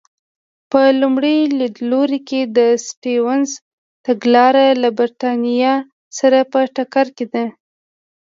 په لومړي لیدلوري کې د سټیونز تګلاره له برېټانیا سره په ټکر کې ده.